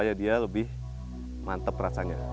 jadi dia lebih mantep rasanya